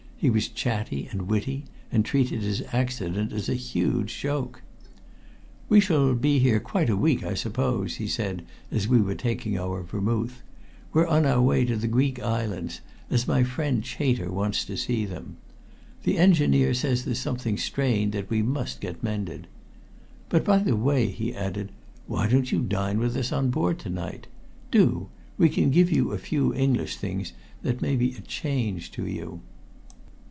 He was chatty and witty, and treated his accident as a huge joke. "We shall be here quite a week, I suppose," he said as we were taking our vermouth. "We're on our way down to the Greek Islands, as my friend Chater wants to see them. The engineer says there's something strained that we must get mended. But, by the way," he added, "why don't you dine with us on board to night? Do. We can give you a few English things that may be a change to you."